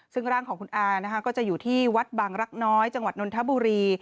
ซึ่งร่างของคุณอานะคะก็จะอยู่ที่วัดบางรักน้อยจังหวัดนนทบุรี